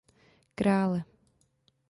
Krále.